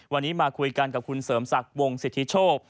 วันนี้มาคุยกันกับคุณเสริมศักดิ์วงสิทธิโชค